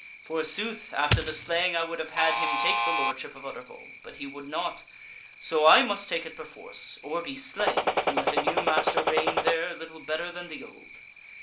Forsooth, after the slaying I would have had him take the lordship of Utterbol, but he would not, so I must take it perforce or be slain, and let a new master reign there little better than the old.